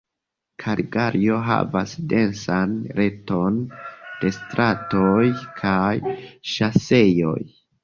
Kalgario havas densan reton de stratoj kaj ŝoseoj.